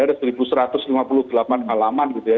ada seribu satu ratus lima puluh delapan halaman gitu ya